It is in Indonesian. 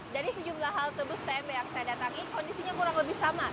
dari sejumlah halte bus tm yang saya datangi kondisinya kurang lebih sama